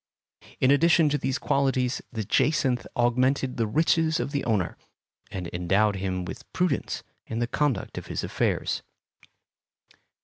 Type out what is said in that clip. In addition to these qualities the jacinth augmented the riches of the owner, and endowed him with prudence in the conduct of his affairs.